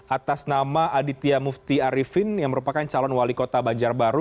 atas nama aditya mufti arifin yang merupakan calon wali kota banjarbaru